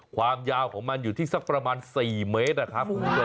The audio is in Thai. ความยาวของมันอยู่ที่สักประมาณ๔เมตร